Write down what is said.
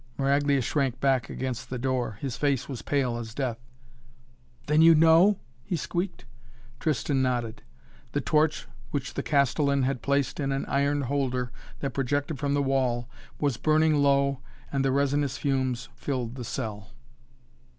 Maraglia shrank back against the door. His face was pale as death. "Then you know?" he squeaked. Tristan nodded. The torch which the Castellan had placed in an iron holder that projected from the wall, was burning low and the resinous fumes filled the cell.